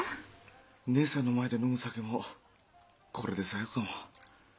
姐さんの前で飲む酒もこれで最後かも。